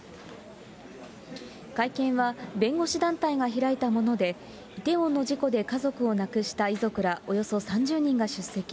会見は弁護士団体が開いたもので、イテウォンの事故で家族を亡くした遺族らおよそ３０人が出席。